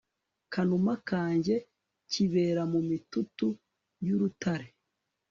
kanuma kanjye kibera mu mitutu y'urutare